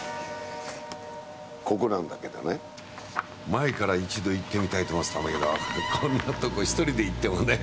ここなんだけどね前から一度行ってみたいと思ってたんだけどこんなとこ１人で行ってもね。